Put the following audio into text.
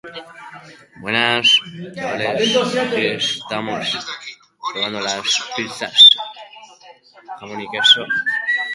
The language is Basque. Antzezten bai, baina umorea egiten ikusi zaitut batez ere.